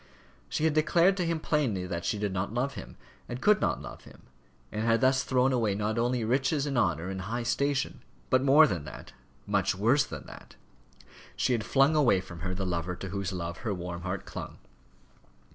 She had declared to him plainly that she did not love him and could not love him, and had thus thrown away not only riches and honour and high station, but more than that much worse than that she had flung away from her the lover to whose love her warm heart clung.